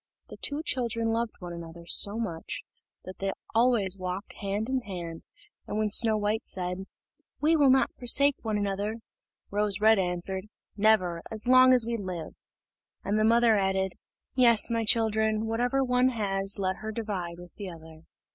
The two children loved one another so much, that they always walked hand in hand; and when Snow white said, "We will not forsake one another," Rose red answered, "Never, as long as we live;" and the mother added, "Yes, my children, whatever one has, let her divide with the other."